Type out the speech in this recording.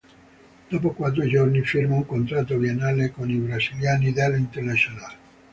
Dopo quattro giorni firma un contratto biennale con i brasiliani dell'Internacional.